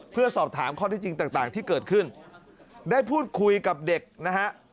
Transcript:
เพื่อสอบถามข้อที่จริงต่างที่เกิดขึ้นได้พูดคุยกับเด็กนะฮะ